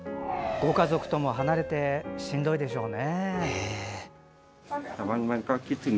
ご家族とも離れてしんどいでしょうね。